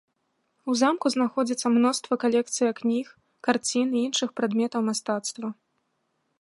У замку знаходзіцца мноства калекцыя кніг, карцін і іншых прадметаў мастацтва.